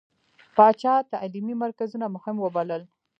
پاچا تعليمي مرکزونه مهم ووبلل.